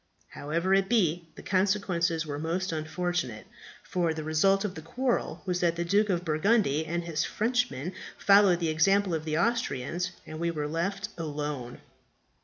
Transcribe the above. However it be, the consequences were most unfortunate, for the result of the quarrel was that the Duke of Burgundy and his Frenchmen followed the example of the Austrians, and we were left alone.